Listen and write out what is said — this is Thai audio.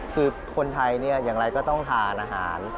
ก็คือคนไทยก็ต้องทานอาหาร